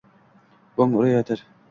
Bong urayotir…